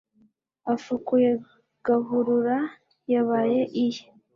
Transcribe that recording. Afukuye Gahurura yabaye iye